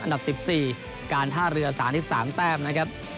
ดับ๑๔การท่าเรือ๓๓แต้มนะครับ